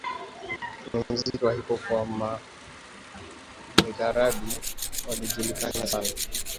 kwenye muziki wa hip hop wa kimagharibi Walijulikana sana